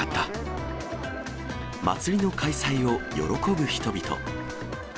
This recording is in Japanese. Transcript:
祭りの開催を喜ぶ人々。